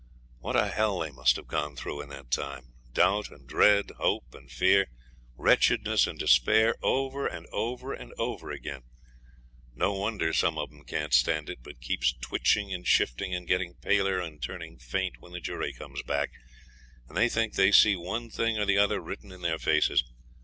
What a hell they must have gone through in that time doubt and dread, hope and fear, wretchedness and despair, over and over and over again. No wonder some of 'em can't stand it, but keeps twitching and shifting and getting paler and turning faint when the jury comes back, and they think they see one thing or the other written in their faces.